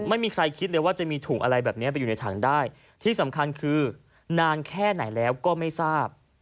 ไม่มีใครคิดเลยว่าจะมีถุงอะไรแบบนี้ไปอยู่ในถังได้ที่สำคัญคือนานแค่ไหนแล้วก็ไม่ทราบ